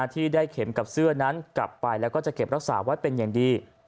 ที่ได้เข็มกับเสื้อนั้นกลับไปแล้วก็จะเก็บรักษาไว้เป็นอย่างดี